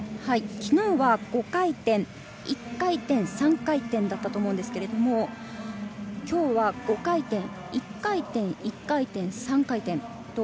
昨日は５回転、１回転、３回転だったと思うのですが、今日は５回転、１回転、１回転、３回転。